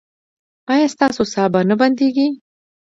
ایا ستاسو ساه به نه بندیږي؟